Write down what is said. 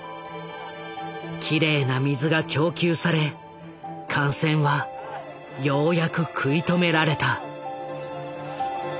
きれいな水が供給され感染はようやく食い止められた。